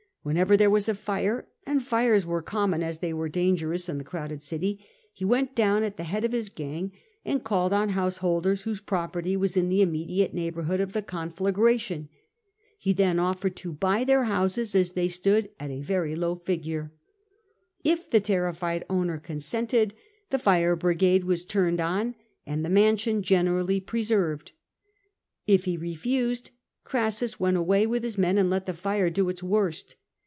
Whenever there was a fire (and fires were as common as they were dangerous in the crowded city), he went down at the head of his gang and called on householders whose property was in the immediate neighbourhood of the conflagration. He then offered to buy their houses, as they stood, at a very low figure. If the terrified owner consented, the fire brigade was turned on and the mansion generally preserved. If he refused, Orassus went away with his men and let the fire do its worst.